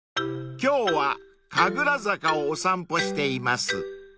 ［今日は神楽坂をお散歩しています］